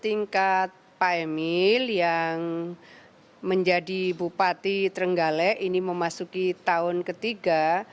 tingkat pak emil yang menjadi bupati trenggalek ini memasuki tahun ketiga